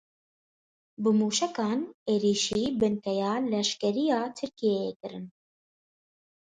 Bi mûşekan êrişî binkeya leşkeriya Tirkiyeyê kirin.